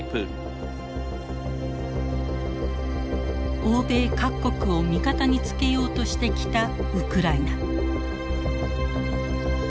欧米各国を味方につけようとしてきたウクライナ。